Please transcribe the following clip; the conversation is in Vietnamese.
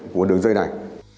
của đường dây đài